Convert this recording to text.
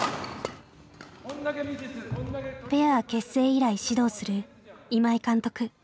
ペア結成以来指導する今井監督。